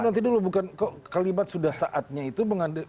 nanti dulu bukan kok kalimat sudah saatnya itu